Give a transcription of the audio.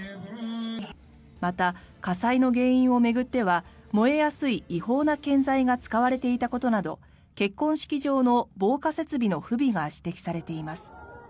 また、火災の原因を巡っては燃えやすい違法な建材が使われていたことなど結婚式場の防火設備の不備が指摘されています。